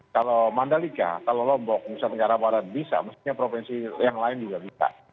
kalau mandalika kalau lombok nusa tenggara barat bisa mestinya provinsi yang lain juga bisa